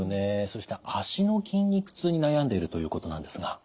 そして足の筋肉痛に悩んでいるということなんですが。